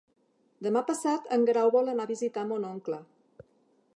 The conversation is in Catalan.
Demà passat en Guerau vol anar a visitar mon oncle.